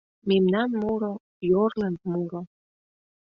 Мемнан муро, йорлын муро...